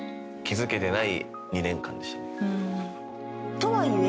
とはいえ。